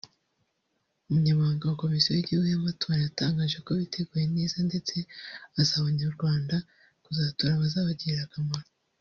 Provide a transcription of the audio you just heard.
Umunyamabanga wa Komisiyo y’Igihugu y’Amatora yatangaje ko biteguye neza ndetse asaba Abanyarwanda kuzatora abazabagirira akamaro